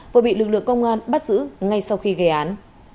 vừa bị lực lượng công an bắt giữ ngay sau khi gây án